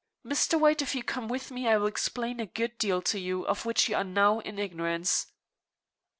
Mr. White, if you come with me I will explain a good deal to you of which you are now in ignorance."